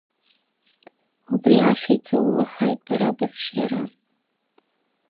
Убри ашәа иҵаулахааит бара бырҿиара.